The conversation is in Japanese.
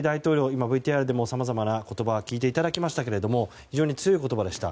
今、ＶＴＲでもさまざまな言葉を聞いていただきましたが非常に強い言葉でした。